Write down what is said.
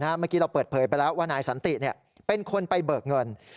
เมื่อกี้เราเปิดเผยไปแล้วว่านายสันติเป็นคนไปเบิกเงิน